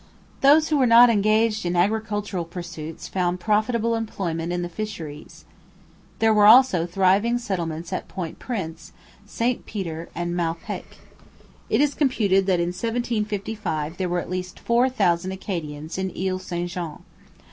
Those who were not engaged in agricultural pursuits found profitable employment in the fisheries. There were also thriving settlements at Point Prince, St Peter, and Malpeque. It is computed that in 1755 there were at least four thousand Acadians in Ile St Jean.